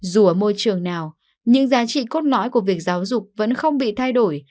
dù ở môi trường nào những giá trị cốt lõi của việc giáo dục vẫn không bị thay đổi